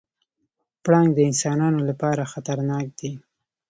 پړانګ د انسانانو لپاره خطرناک دی.